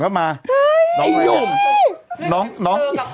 เป็นการกระตุ้นการไหลเวียนของเลือด